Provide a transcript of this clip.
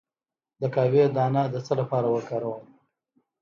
د قهوې دانه د څه لپاره وکاروم؟